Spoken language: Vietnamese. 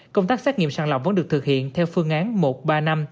công tác xét nghiệm sàng lọc vẫn được thực hiện theo phương án một ba năm